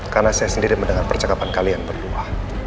karena saya sendiri mendengar percakapan kalian berdua